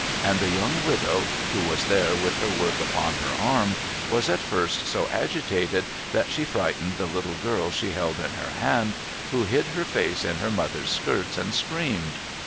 And the young widow — who was there with her work upon her arm — was at first so agitated that she frightened the little girl she held in her hand, who hid her face in her mother's skirts and screamed.